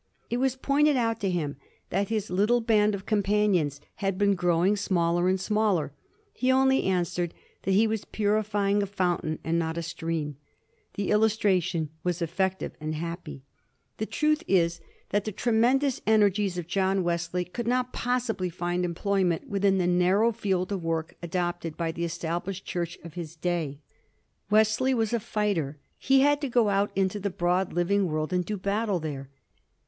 It was pointed out to him that his little band of companions had been growing smaller and small er; he only answered that he was purifying a fountain and not a stream. The illustration was effective and •aappy. The truth is that the tremendous energies of John 134 A HISTORY OF THE FOUR GEORGES. cii. xxi. Wesley could not possibly find employment within the narrow field of work adopted by the Established Church of his day. Wesley was a fighter ; he had to go out into the broad living world and do battle there.